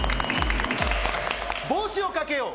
帽子をかけよう。